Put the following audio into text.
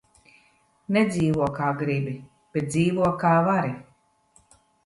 Nedzīvo, kā gribi, bet dzīvo, kā vari.